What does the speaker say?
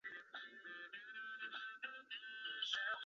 该曲当年曾获得英法德三国流行歌曲排行榜的第一名。